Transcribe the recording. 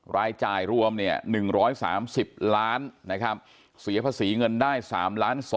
รายจ่ายรวม๑๓๐ล้านนะครับเสียภาษีเงินได้๓๒๐๐